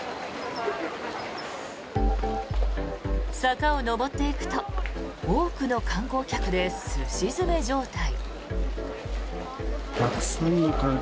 坂を上っていくと多くの観光客ですし詰め状態。